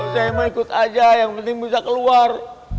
saya mau ikut aja yang penting bisa keluar